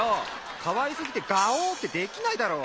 かわいすぎてガオッてできないだろ！